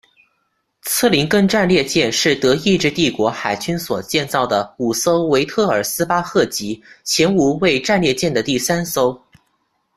策林根战列舰是德意志帝国海军所建造的五艘维特尔斯巴赫级前无畏战列舰的第三艘。